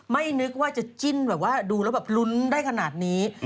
นึกว่าจะจิ้นแบบว่าดูแล้วแบบลุ้นได้ขนาดนี้